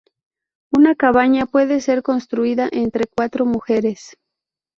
Una cabaña puede ser construida entre cuatro mujeres.